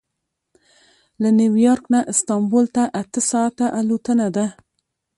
له نیویارک نه استانبول ته اته ساعته الوتنه ده.